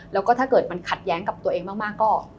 แล้วก็ถ้าเกิดมันขัดแย้งกับตัวเองมากก็